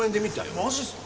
マジっすか